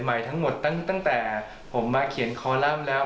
ใหม่ทั้งหมดตั้งแต่ผมมาเขียนคอลัมป์แล้ว